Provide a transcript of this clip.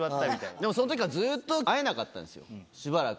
でもそのときはずっと会えなかったんです、しばらく。